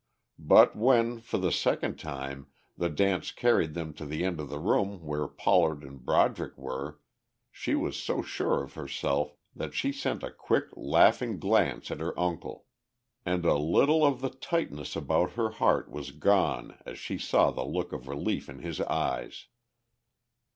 But when, for the second time, the dance carried them to the end of the room where Pollard and Broderick were, she was so sure of herself that she sent a quick, laughing glance at her uncle. And a little of the tightness about her heart was gone as she saw the look of relief in his eyes.